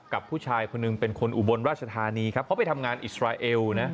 กับผู้ชายคนหนึ่งเป็นคนอุบลราชธานีครับเขาไปทำงานอิสราเอลนะ